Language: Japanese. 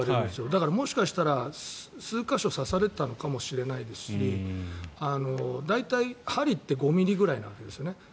だからもしかしたら数か所刺されたのかもしれないですし大体、針って５ｍｍぐらいのわけですよね。